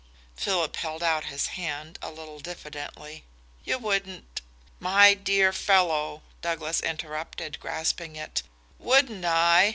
Philip held out his hand a little diffidently. "You wouldn't " "My dear fellow," Douglas interrupted, grasping it, "wouldn't I!